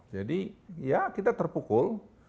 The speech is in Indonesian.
jadi ya kita terpukul